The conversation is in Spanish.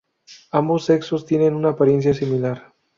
Ambos sexos tienen una apariencia similar.